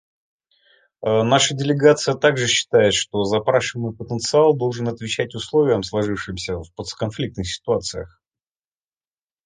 Наша делегация также считает, что запрашиваемый потенциал должен отвечать условиям, сложившимся в постконфликтных ситуациях.